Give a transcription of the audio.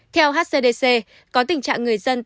theo hcdc có tình trạng người dân tại tp hcm